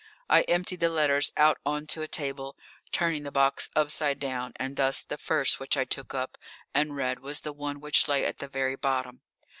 I emptied the letters out on to a table, turning the box upside down, and thus the first which I took up and read was the one which lay at the very bottom.